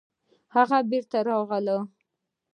هغه بېرته راغله